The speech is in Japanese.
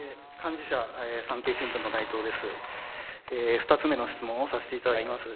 ２つ目の質問をさせていただきます。